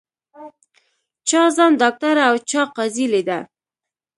چا ځان ډاکټره او چا قاضي لیده